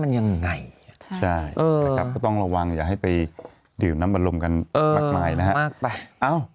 ยังไงต้องระวังอย่าให้ไปดื่มน้ำบันรมกันมากนะครับ